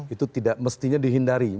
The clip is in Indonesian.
itu tidak mestinya dihindari